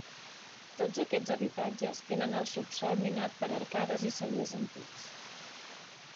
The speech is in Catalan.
Tots aquests habitatges tenen el subsòl minat per arcades i cellers antics.